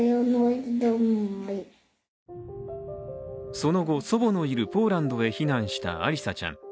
その後、祖母のいるポーランドへ避難したアリサちゃん。